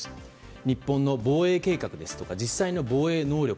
日本の防衛計画ですとか実際の防衛能力。